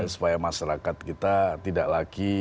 supaya masyarakat kita tidak lagi